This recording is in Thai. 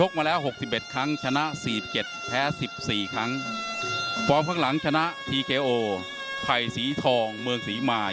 ใครน็อคใครต้องติดตามวิทยามา